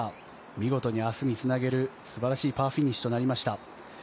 見事に明日につなげる素晴らしいパーフィニッシュとなりました。